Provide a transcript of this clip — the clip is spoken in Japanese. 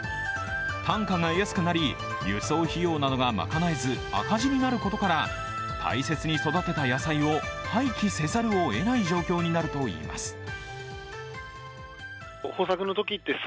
単価が安くなり、輸送費用などが賄えず赤字になることから大切に育てた野菜を廃棄せざるをえない状況になるといいます。